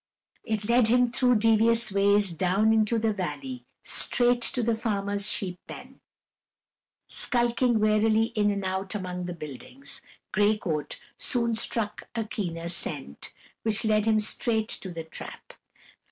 It led him through devious ways down into the valley, straight to the farmer's sheep pen. Skulking warily in and out among the buildings, Gray Coat soon struck a keener scent, which led him straight to the trap.